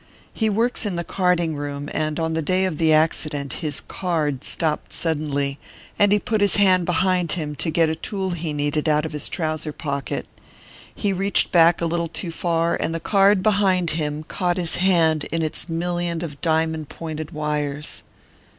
He works in the carding room, and on the day of the accident his 'card' stopped suddenly, and he put his hand behind him to get a tool he needed out of his trouser pocket. He reached back a little too far, and the card behind him caught his hand in its million of diamond pointed wires.